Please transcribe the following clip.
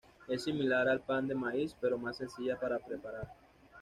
Es similar al pan de maíz, pero más sencilla para preparar.